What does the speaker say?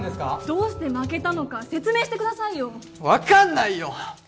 どうして負けたのか説明してくださいよ分かんないよ！